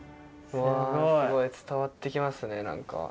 すごい伝わってきますね何か。